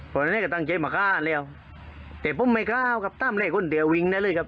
ตอนนั้นก็ตั้งใจมาฆ่าแล้วแต่ผมไม่ฆ่าครับตั้มเลยคนเดียววิ่งได้เลยครับ